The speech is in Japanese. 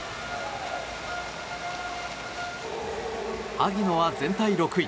萩野は全体６位。